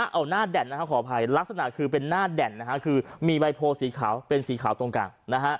เอาหน้าแด่นขออภัยลักษณะคือเป็นหน้าแด่นคือมีใบโพลสีขาวเป็นสีขาวตรงกลาง